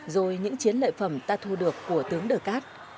rồi những chiến lợi phẩm ta thu được của tướng đờ cát